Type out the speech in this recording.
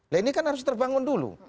nah ini kan harus terbangun dulu